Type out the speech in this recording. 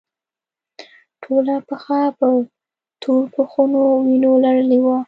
ټوله پښه په توربخونو وينو لړلې وه.